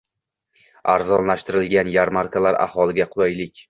Arzonlashtirilgan yarmarkalar - aholiga qulaylik